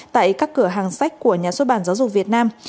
tại các cửa hàng sách của nhà xuất bản giáo dục việt nam